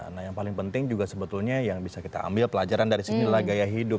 nah yang paling penting juga sebetulnya yang bisa kita ambil pelajaran dari sinilah gaya hidup